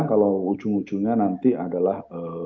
kalau ujung ujungnya nanti adalah